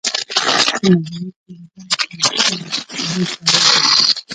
د ماهیت په لحاظ تشبیه پر څلور ډوله ده.